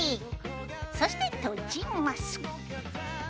そして閉じます。